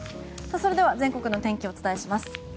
それでは全国の天気をお伝えします。